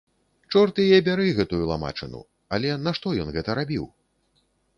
Чорт яе бяры, гэтую ламачыну, але нашто ён гэта рабіў?